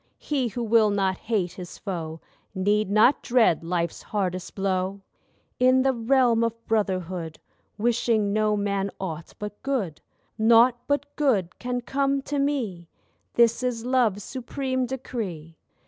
He who will not hate his foe Need not dread life's hardest blow. In the realm of brotherhood Wishing no man aught but good, Naught but good can come to me— This is Love's supreme decree.